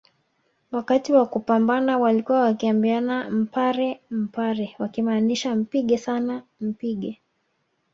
Wakati wa kupambana walikuwa wakiambiana mpare mpare wakimaanisha mpige sana mpige